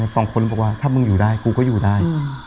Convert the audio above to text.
สองคนบอกว่าถ้ามึงอยู่ได้กูก็อยู่ได้